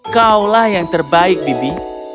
kaulah yang terbaik bibi